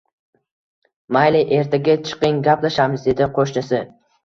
Mayli, ertaga chiqing, gaplashamiz, dedi qoʻshnisi